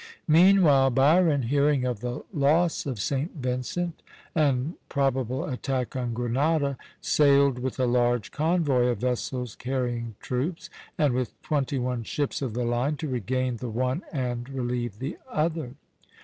Meanwhile Byron, hearing of the loss of St. Vincent and probable attack on Grenada, sailed with a large convoy of vessels carrying troops, and with twenty one ships of the line, to regain the one and relieve the other.